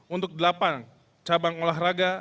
untuk delapan cabang olahraga